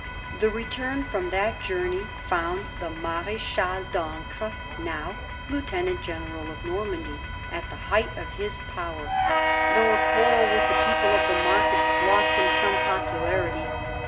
The return from that journey found the Marechal d'Ancre, now Lieutenant General of Normandy, at the height of his power, though a quarrel with the people of the markets lost him some popularity.